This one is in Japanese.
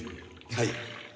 はい。